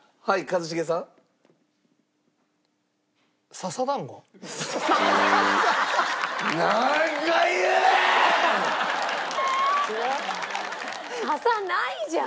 笹ないじゃん！